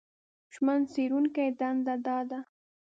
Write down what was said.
ژمن څېړونکي دنده دا ده